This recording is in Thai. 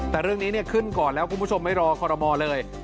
แต่เรื่องนี้ขึ้นก่อนแล้วคุณผู้ชมไม่รอคอรมอลเลย